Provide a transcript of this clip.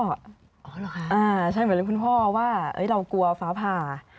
ใช่เหมือนเรื่องคุณพ่อว่าเรากลัวฟ้าผ่า